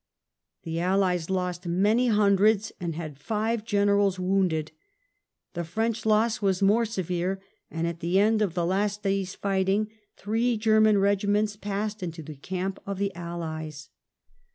The Allies lost many hundreds and had five generals wounded. The French loss was more severe, and at the end of the last day's fighting three German regiments passed into the camp of the Allies.